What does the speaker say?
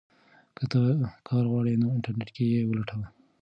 که ته کار غواړې نو انټرنیټ کې یې ولټوه.